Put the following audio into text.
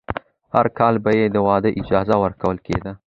هر کال به یې د واده اجازه ورکول کېده.